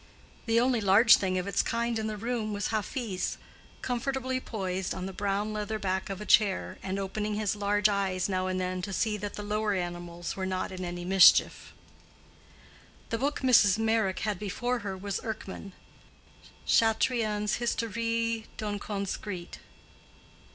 The only large thing of its kind in the room was Hafiz, the Persian cat, comfortably poised on the brown leather back of a chair, and opening his large eyes now and then to see that the lower animals were not in any mischief. The book Mrs. Meyrick had before her was Erckmann Chatrian's Historie d'un Conscrit.